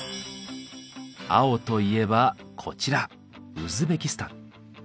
青といえばこちらウズベキスタン。